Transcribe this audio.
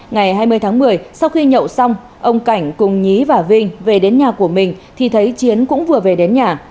ngày hai mươi tháng một mươi sau khi nhậu xong ông cảnh cùng nhí và vinh về đến nhà của mình thì thấy chiến cũng vừa về đến nhà